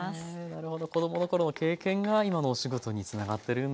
なるほど子供の頃の経験が今のお仕事につながってるんですね。